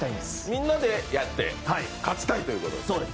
みんなとやって勝ちたいということで。